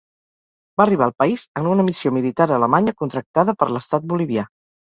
Va arribar al país en una missió militar alemanya contractada per l'estat bolivià.